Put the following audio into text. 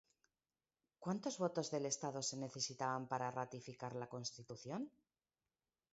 ¿Cuántos votos del Estado se necesitaban para ratificar la Constitución?